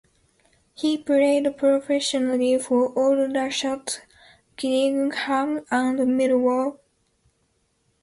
He played professionally for Aldershot, Gillingham and Millwall.